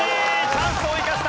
チャンスを生かした。